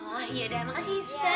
oh iya dah makasih suster